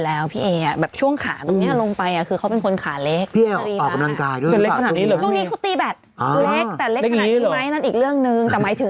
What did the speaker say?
เล็กขนาดนี้ตัวเล็กกว่าอัมปัชฌาภาตัวเล็กกว่าล้มเมน